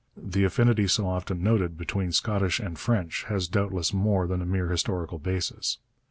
The affinity so often noted between Scottish and French has doubtless more than a mere historical basis.